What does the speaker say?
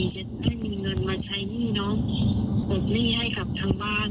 จะได้มีเงินมาใช้หนี้น้องปลดหนี้ให้กับทางบ้าน